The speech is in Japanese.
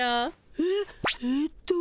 えっえと。